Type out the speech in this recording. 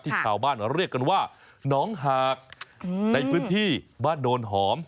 ชาวบ้านเรียกกันว่าน้องหากในพื้นที่บ้านโนนหอม